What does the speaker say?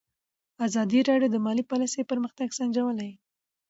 ازادي راډیو د مالي پالیسي پرمختګ سنجولی.